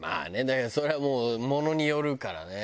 だけどそれはもうものによるからね。